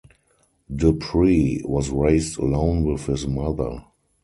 Dupree was raised alone by his mother.